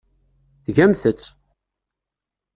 Tgamt-tt!